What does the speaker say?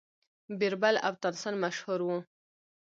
بیربل او تانسن مشهور وو.